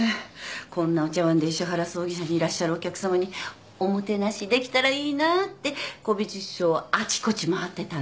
こんなお茶わんで石原葬儀社にいらっしゃるお客さまにおもてなしできたらいいなって古美術商をあちこち回ってたの。